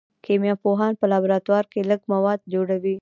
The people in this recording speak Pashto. کیمیا پوهان په لابراتوار کې لږ مواد جوړوي.